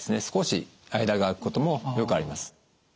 少し間が空くこともよくあります。